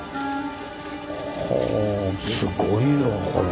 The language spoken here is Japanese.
はぁすごいよこれ。